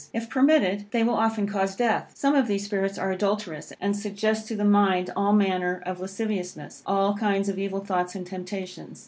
If permitted, they will often cause death. Some of these spirits are adulterous, and suggest to the mind all manner of lasciviousness, all kinds of evil thoughts and temptations.